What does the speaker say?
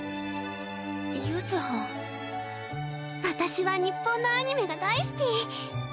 私は日本のアニメが大好き。